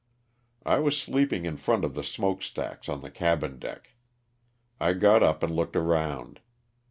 I was sleeping in front of the smoke stacks on the cabin deck. I got up and looked around.